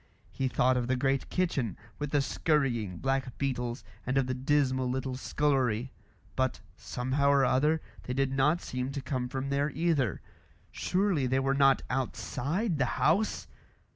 He thought of the great kitchen, with the scurrying black beetles, and of the dismal little scullery; but, somehow or other, they did not seem to come from there either. Surely they were not outside the house!